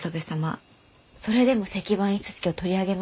それでも石版印刷機を取り上げますか？